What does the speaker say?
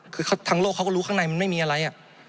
คือทางโลกเขาก็รู้ข้างในมันไม่มีอะไร